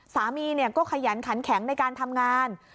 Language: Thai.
สามีก็ขยันขันแข็งในการทำงาน